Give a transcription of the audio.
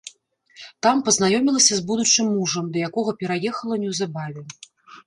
Там пазнаёмілася з будучым мужам, да якога пераехала неўзабаве.